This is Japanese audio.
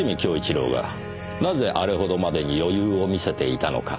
良はなぜあれほどまでに余裕を見せていたのかでしょうか？